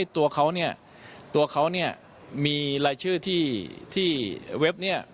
ตัวเขาเนี่ยตัวเขาเนี่ยมีรายชื่อที่เว็บเนี่ย